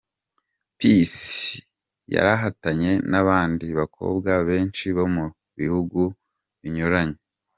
Peace yarahatanye n'abandi bakobwa benshi bo mubihugu binyuranye.